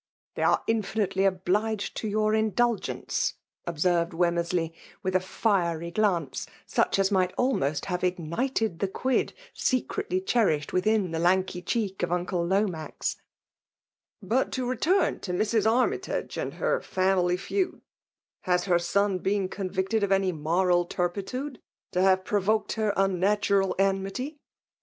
'' They are infinitely obliged to your indnh g2' giittM r dbscnrcd Wcmmttfsley, with it feery gtance, such as might almost have igtntda iH^ €^vaA secretly cherished within the lanky chc^k of tuide Lomax. " But, to return to Mrs. Armytage and hbf family feuds. Has her son been contictdd'of any moral turpitude, to have provoked* her unnatural enmity